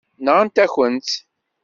Nɣant-akent-tt.